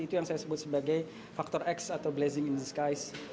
itu yang saya sebut sebagai faktor x atau blessing in disguise